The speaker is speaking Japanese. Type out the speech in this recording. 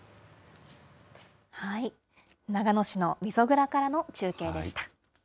長野市のみそ蔵からの中継でした。